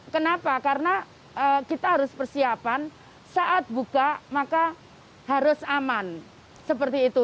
kenapa karena kita harus persiapan saat buka maka harus aman seperti itu